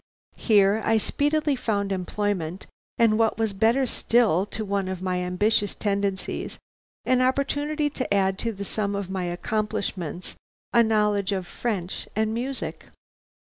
Here I speedily found employment, and what was better still to one of my ambitious tendencies, an opportunity to add to the sum of my accomplishments a knowledge of French and music.